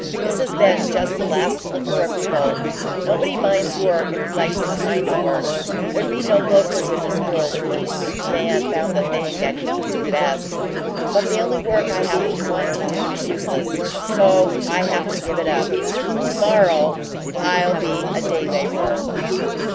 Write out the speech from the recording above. "This has been just the last flicker of revolt. Nobody minds work if he likes the kind of work. There'd be no loafers in the world if each man found the thing that he could do best; but the only work I happen to want to do is useless so I have to give it up. To morrow I'll be a day laborer."